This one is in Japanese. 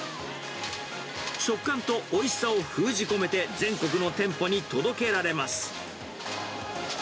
食感とおいしさを封じ込めて、全国の店舗に届けられます。